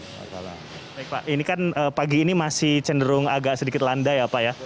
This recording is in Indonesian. baik pak ini kan pagi ini masih cenderung agak sedikit landai ya pak ya